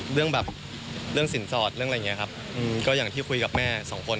เรื่องแบบเรื่องสินสอดเรื่องอะไรอย่างนี้ครับก็อย่างที่คุยกับแม่สองคน